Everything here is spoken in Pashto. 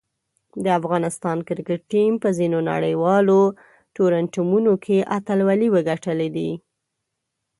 د افغانستان کرکټ ټیم په ځینو نړیوالو ټورنمنټونو کې اتلولۍ وګټلې دي.